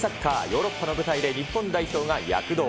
ヨーロッパの舞台で日本代表が躍動。